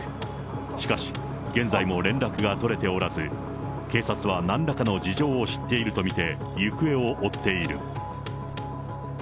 しかし、現在も連絡が取れておらず、警察はなんらかの事情を知っていると見て、行方を追っている。